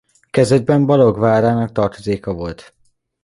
Kezdetben Balog várának tartozéka volt.